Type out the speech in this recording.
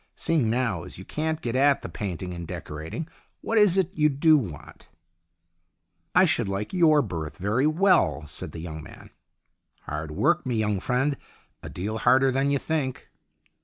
Seeing now as you can't get at the painting and decorating, what is it you do want ?"" I should like your berth very well," said the young man. " Hard work, me young friend. A deal harder than you think."